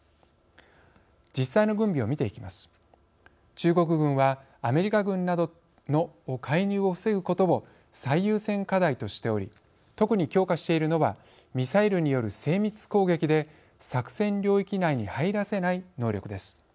中国軍はアメリカ軍などの介入を防ぐことを最優先課題としており特に強化しているのはミサイルによる精密攻撃で作戦領域内に入らせない能力です。